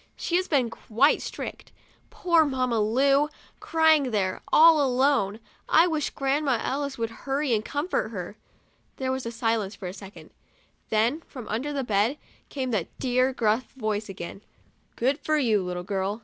She has been quite strict. Poor Mamma Lu! crying in there, all alone. I wish Grandma Ellis would hurry and comfort her. There was silence for a second, then, from under the bed, came that dear, gruff voice again, " Good for you, little girl?'